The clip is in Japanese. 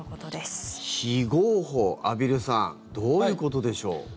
畔蒜さんどういうことでしょう。